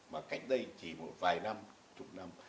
mà cách đây chỉ một vài năm chục năm